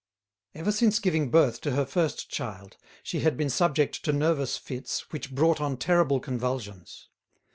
Ever since giving birth to her first child she had been subject to nervous fits which brought on terrible convulsions.